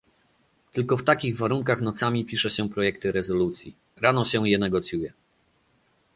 Tylko w takich warunkach nocami pisze się projekty rezolucji, rano się je negocjuje